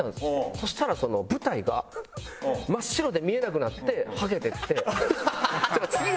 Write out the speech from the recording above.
そしたら舞台が真っ白で見えなくなってはけてって。